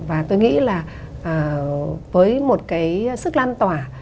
và tôi nghĩ là với một cái sức lan tỏa